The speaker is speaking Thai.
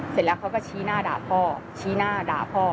เสร็จแล้วเขาก็ชี้หน้าด่าพ่อชี้หน้าด่าพ่อ